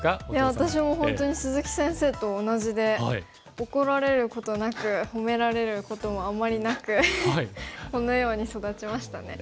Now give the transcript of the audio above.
私も本当に鈴木先生と同じで怒られることなく褒められることもあんまりなくこのように育ちましたね。